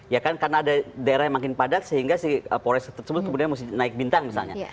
ya kan karena ada daerah yang makin padat sehingga si polres tersebut kemudian mesti naik bintang misalnya